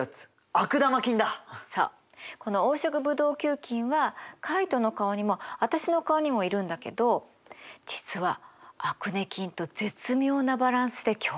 この黄色ブドウ球菌はカイトの顔にも私の顔にもいるんだけど実はアクネ菌と絶妙なバランスで共存してるのよ。